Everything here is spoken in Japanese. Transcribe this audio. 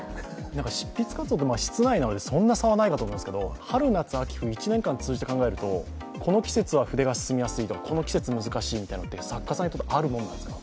執筆活動は室内のでそんなにないかもしれないですけど、春夏秋冬、１年間通じて考えると、この季節は筆が進みやすいとかこの季節は難しいっていうのは作家さんにとってあるんですか？